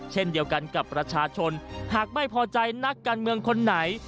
เช่นเดียวกันกับประชาชนหากไม่พอใจนักการเมืองคนไหน